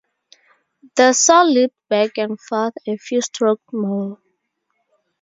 The saw leaped back and forth a few strokes more.